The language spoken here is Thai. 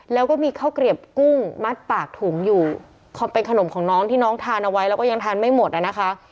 แล้วก็มีข้าวเกลียบกุ้งมัดปากถุงอยู่พอเป็นขนมของน้องที่น้องทานเอาไว้แล้วก็ยังทานไม่หมดอ่ะนะคะ